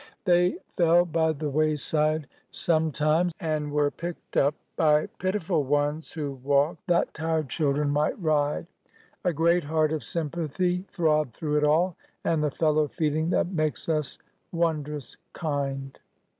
They fell by the wayside sometimes and were picked up by pitiful ones who walked that tired children might ride. A great heart of sympathy throbbed through it all, and the fellow feeling that makes us wondrous kind.